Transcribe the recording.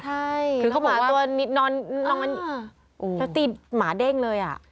ใช่น้องหมาตัวนี่นอนแล้วตีหมาเด้งเลยอะ